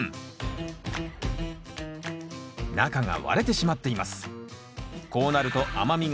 中が割れてしまっています。